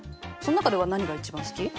そん中では何が一番好き？